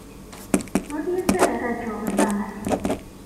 — Тут єси, речу, Ждане?